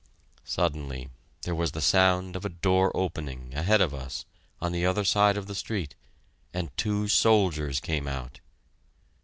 Suddenly there was the sound of a door opening, ahead of us, on the other side of the street, and two soldiers came out!